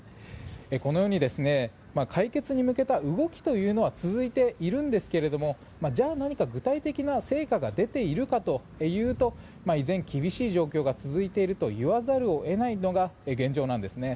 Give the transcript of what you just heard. このように解決に向けた動きというのは続いているんですがじゃあ、何か具体的な成果が出ているかというと依然、厳しい状況が続いていると言わざるを得ないのが現状なんですね。